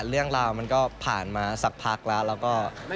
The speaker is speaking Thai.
เรื่องราวมันก็ผ่านมาสักพักแล้วแล้วก็